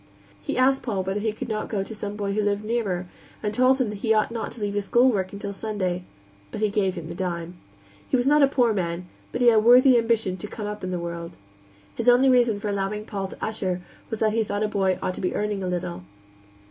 He asked Paul whether he could not go to some boy who lived nearer, and told him that he ought not to leave his schoolwork until Sunday; but he gave him the dime. He was not a poor man, but he had a worthy ambition to come up in the world. His only reason for allowing Paul to usher was that he thought a boy ought to be earning a little.